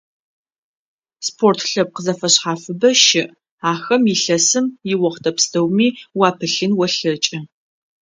Спорт лъэпкъ зэфэшъхьафыбэ щыӀ, ахэм илъэсым иохътэ пстэуми уапылъын олъэкӀы.